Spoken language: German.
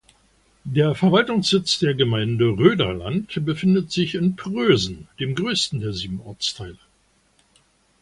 Der Verwaltungssitz der Gemeinde Röderland befindet sich in Prösen, dem größten der sieben Ortsteile.